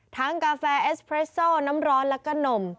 กาแฟเอสเรสโซน้ำร้อนแล้วก็นม